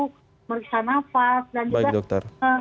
pemeriksa nafas dan juga